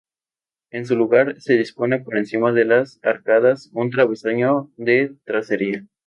En su lugar, se dispone por encima de las arcadas un travesaño de tracería.